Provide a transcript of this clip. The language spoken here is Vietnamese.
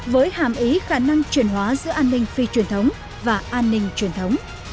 với hàm ý khả năng chuyển hóa giữa an ninh phi truyền thống và an ninh truyền thống